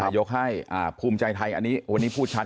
ยกให้ภูมิใจไทยอันนี้วันนี้พูดชัด